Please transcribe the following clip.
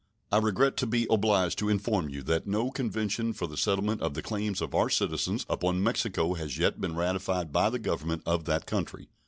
I regret to be obliged to inform you that no convention for the settlement of the claims of our citizens upon Mexico has yet been ratified by the Government of that country.